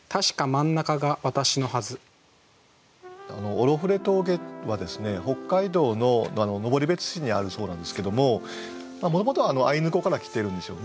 オロフレ峠はですね北海道の登別市にあるそうなんですけどももともとはアイヌ語から来てるんですよね。